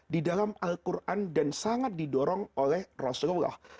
di dalam al quran dan sangat didorong oleh rasulullah